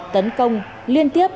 tấn công liên tiếp